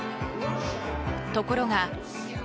ところが。